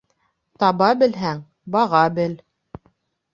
Таба белһәң, баға бел.